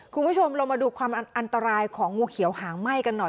คุณผู้ชมเรามาดูความอันตรายของงูเขียวหางไหม้กันหน่อย